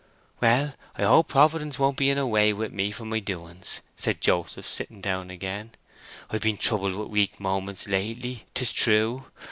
"Well, I hope Providence won't be in a way with me for my doings," said Joseph, again sitting down. "I've been troubled with weak moments lately, 'tis true.